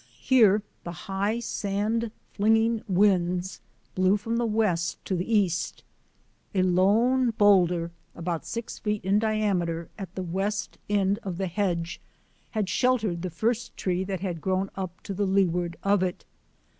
Here the high, sand flinging winds blew from west to east. A lone boulder about six feet in diameter at the west end of the hedge had sheltered the first TREES AT TIMBERLINE 7 , tree that had grown up to the leeward of it.